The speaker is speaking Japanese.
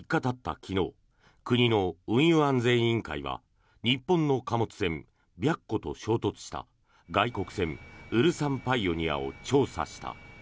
昨日国の運輸安全委員会は日本の貨物船「白虎」と衝突した外国船「ウルサンパイオニア」を調査した。